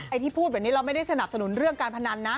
ที่พูดแบบนี้เราไม่ได้สนับสนุนเรื่องการพนันนะ